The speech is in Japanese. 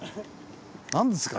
何ですか？